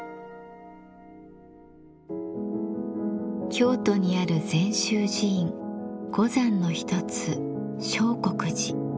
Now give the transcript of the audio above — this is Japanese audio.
京都にある禅宗寺院五山の一つ相国寺。